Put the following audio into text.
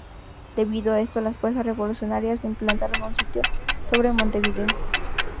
Debido a esto las fuerzas revolucionarias implantaron un sitio sobre Montevideo.